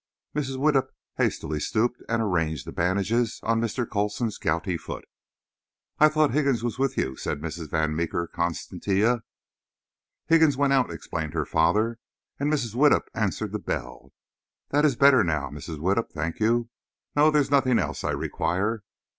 Mrs. Widdup hastily stooped and arranged the bandages on Mr. Coulson's gouty foot. "I thought Higgins was with you," said Miss Van Meeker Constantia. "Higgins went out," explained her father, "and Mrs. Widdup answered the bell. That is better now, Mrs. Widdup, thank you. No; there is nothing else I require."